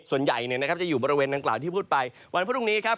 ส่วนใหญ่เนี่ยนะครับจะอยู่บริเวณดังกล่าวที่พูดไปวันพรุ่งนี้นะครับ